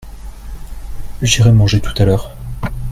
j'irai manger tout à l'heure.